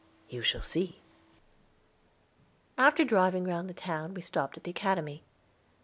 "You shall see." After driving round the town we stopped at the Academy.